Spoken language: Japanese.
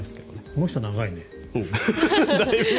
この人は長いね。